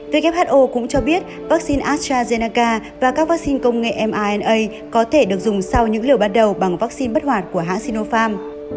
who cũng cho biết vaccine astrazenaca và các vaccine công nghệ mna có thể được dùng sau những liều ban đầu bằng vaccine bất hoạt của hãng sinopharm